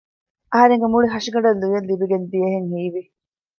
އަހަރެންގެ މުޅި ހަށިގަނޑަށް ލުޔެއް ލިބިގެންދިޔަހެން ހީވި